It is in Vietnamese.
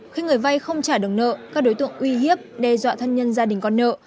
khi người vay không trả được nợ các đối tượng uy hiếp đe dọa thân nhân gia đình con nợ